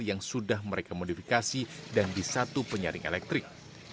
yang sudah mereka modifikasi dan di satu penyaring elektrik